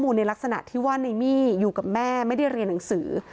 เชื่อว่าในมี่ไม่ได้เรียนหนังสือ